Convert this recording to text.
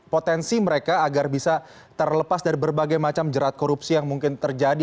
potensi mereka agar bisa terlepas dari berbagai macam jerat korupsi yang mungkin terjadi